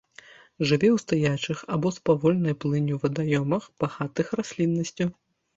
Жыве ў стаячых або з павольнай плынню вадаёмах, багатых расліннасцю.